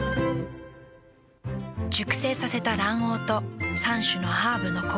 熟成させた卵黄と３種のハーブのコクとうま味。